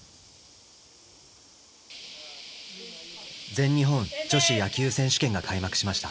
全日本女子野球選手権が開幕しました。